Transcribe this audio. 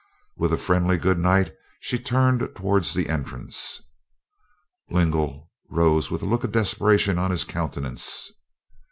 With a friendly good night she turned towards the entrance. Lingle rose with a look of desperation on his countenance.